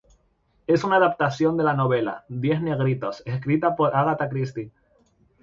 Es una adaptación de la novela "Diez negritos", escrita por Agatha Christie.